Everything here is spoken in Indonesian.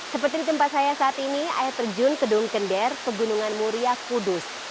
seperti tempat saya saat ini air terjun gedung gender pegunungan muria kudus